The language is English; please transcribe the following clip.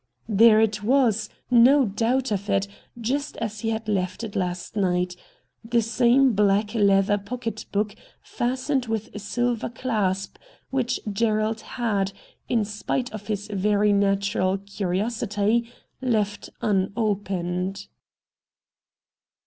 There it was, no doubt of it, just as he had left it last night — the same black leather pocket book fastened with a silver clasp, which Gerald had, in spite of his very natural curiosity, left unopened.